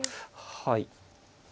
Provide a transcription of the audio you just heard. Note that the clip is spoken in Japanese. はい。